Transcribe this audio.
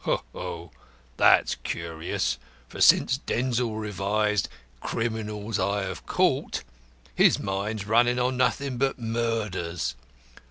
Ha! ha! ha! That's curious, for since Denzil revised Criminals I have Caught, his mind's running on nothing but murders.